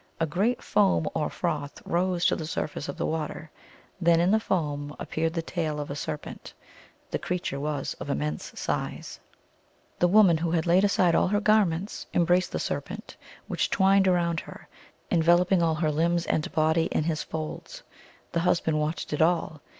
A great foam, or froth, rose to the sur face of the water. Then in the foam appeared the tail of a serpent. The creature was of immense size. 274 THE ALGONQUIN LEGENDS. The woman, who had laid aside all her garments, em braced the serpent, which twined around her, envelop ing all her limbs and body in his folds. The husband watched it all.